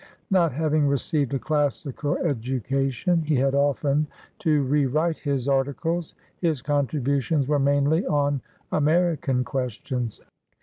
Not having received a classical education, he had often to re write his articles. His contributions were mainly on American questions.